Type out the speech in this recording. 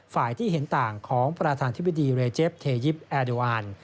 ฝ่ายที่เห็นต่างของประธานทฤษฎีเรเจฟเทยิปแอดูอาร